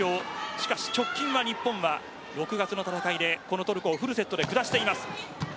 しかし直近は日本は６月の戦いでこのトルコをフルセットで下しています。